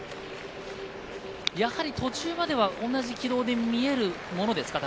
途中までは同じ軌道に見えるものですか？